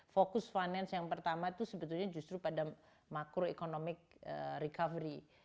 fokus finance yang pertama itu sebetulnya justru pada makroeconomic recovery